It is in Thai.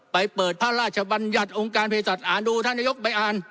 ไปเปิดพระราชบัญญัติองค์การเพศัตว์อ่านดูท่านนายกไปอ่าน